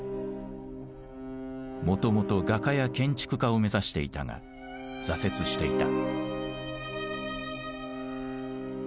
もともと画家や建築家を目指していたが挫折していた。